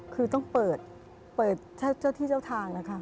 คือต้องเปิดเจ้าที่เจ้าทางนะคะ